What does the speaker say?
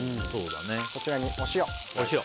こちらにお塩。